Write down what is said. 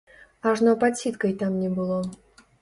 Ажно падсітка й там не было.